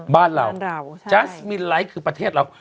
บ้านเราจัสมินไลท์คือประเทศเรา